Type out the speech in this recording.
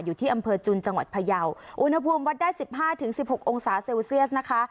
อยู่ที่อำเภอจุนจังหวัดพยาวอุณหภูมิวัดได้สิบห้าถึงสิบหกองศาเซลเซียสนะคะ